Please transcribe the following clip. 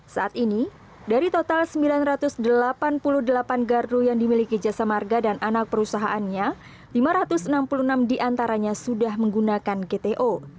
saat ini dari total sembilan ratus delapan puluh delapan gardu yang dimiliki jasa marga dan anak perusahaannya lima ratus enam puluh enam diantaranya sudah menggunakan gto